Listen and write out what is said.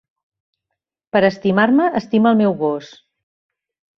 Per estimar-me, estima el meu gos.